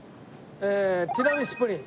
ティラミスプリン。